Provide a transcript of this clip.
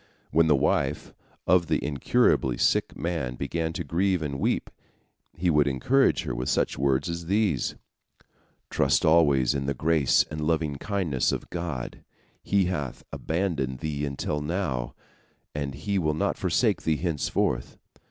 When the wife of the incurably sick man began to grieve and weep, he would encourage her with such words as these: "Trust always in the grace and lovingkindness of God. He hath not abandoned thee until now, and He will not forsake thee henceforth.